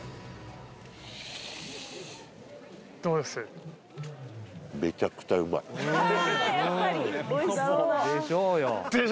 どうです？